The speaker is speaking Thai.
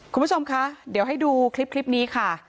คุณผู้ชมคะเดี๋ยวให้ดูคลิปนี้ค่ะ